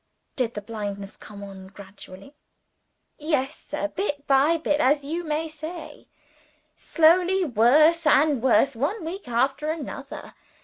"Did the blindness come on gradually?" "Yes, sir bit by bit, as you may say. Slowly worse and worse one week after another.